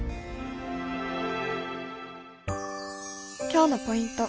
今日のポイント